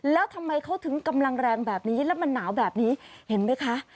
แล้วทำไมเขาถึงกำลังแรงแบบนี้แล้วมันหนาวแบบนี้เห็นไหมคะ